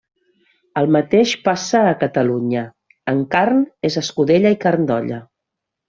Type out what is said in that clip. El mateix passa a Catalunya: amb carn, és escudella i carn d'olla.